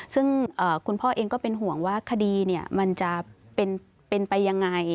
ซึ่งคุณพ่อเองก็เป็นห่วงว่าคดีมันจะเป็นไปยังไง